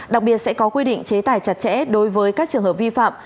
đặc biệt sẽ có quy định chế tài chặt chẽ đối với các trường hợp vi phạm